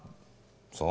そう？